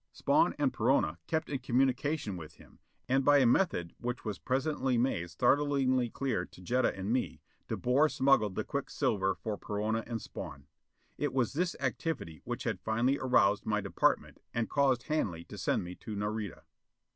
Spawn and Perona kept in communication with him, and, by a method which was presently made startlingly clear to Jetta and me, De Boer smuggled the quicksilver for Perona and Spawn. It was this activity which had finally aroused my department and caused Hanley to send me to Nareda.